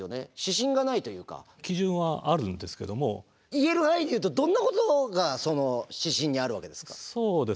言える範囲で言うとどんなことがその指針にあるわけですか？